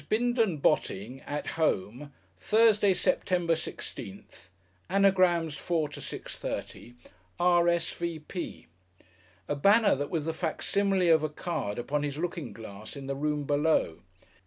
BINDON BOTTING At Home Thursday, September 16th Anagrams, 4 to 6:30 R. S. V. P. a banner that was the fac simile of a card upon his looking glass in the room below.